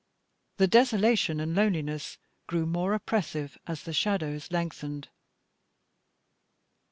The desolation and loneliness grew more oppressive, as the shadows lengthened.